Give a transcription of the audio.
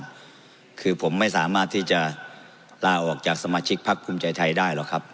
คือผมไม่สามารถที่จะลาออกจากสมาชิกพักภูมิใจไทยได้หรอกครับ